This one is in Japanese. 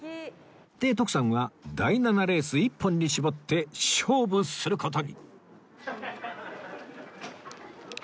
で徳さんは第７レース一本に絞って勝負する事に！